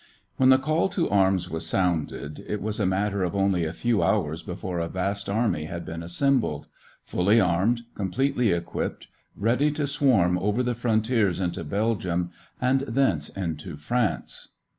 When the call to arms was sounded, it was a matter of only a few hours before a vast army had been assembled fully armed, completely equipped, ready to swarm over the frontiers into Belgium and thence into France.